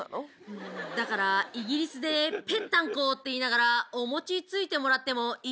うんだからイギリスでペッタンコって言いながらお餅ついてもらってもいい？